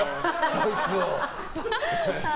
そいつを。